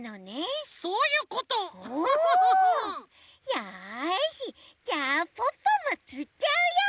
よしじゃあポッポもつっちゃうよ！